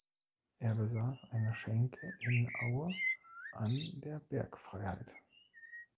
Er besaß eine Schenke in Aue an der ‚Bergfreiheit‘.